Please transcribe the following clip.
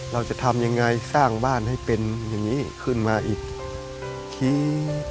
เราจะทำยังไงสร้างบ้านให้เป็นอย่างนี้ขึ้นมาอีกที